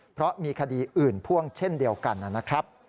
เพราะมีคดีอื่นพ่วงเช่นเดียวกันนะครับ